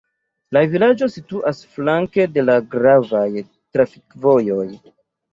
La vilaĝo situas flanke de la gravaj trafikvojoj.